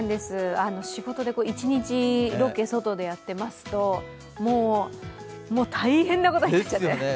仕事で一日ロケ、外でやってますともう大変なことになっちゃって。